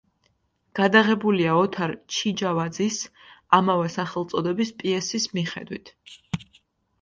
გადაღებულია ოთარ ჩიჯავაძის ამავე სახელწოდების პიესის მიხედვით.